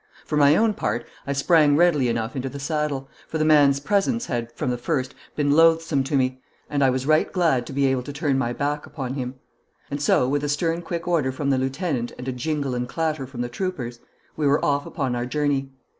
For my own part I sprang readily enough into the saddle, for the man's presence had, from the first, been loathsome to me, and I was right glad to be able to turn my back upon him. And so, with a stern quick order from the lieutenant and a jingle and clatter from the troopers, we were off upon our journey.